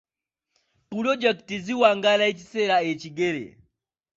Pulojekiti ziwangaala ekiseera ekigere.